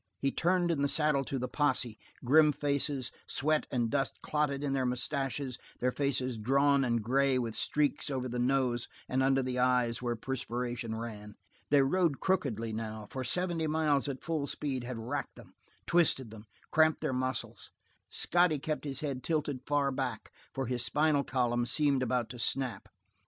He turned in the saddle to the posse, grim faces, sweat and dust clotted in their moustaches, their faces drawn and gray with streaks over the nose and under the eyes where perspiration ran. They rode crookedly, now, for seventy miles at full speed had racked them, twisted them, cramped their muscles. Scotty kept his head tilted far back, for his spinal column seemed about to snap.